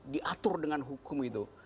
diatur dengan hukum itu